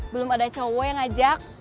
belum ada cowo yang ajak